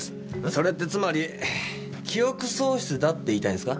それってつまり記憶喪失だって言いたいんですか？